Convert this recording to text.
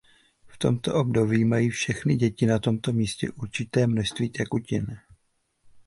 V tomto období mají všechny děti na tomto místě určité množství tekutin.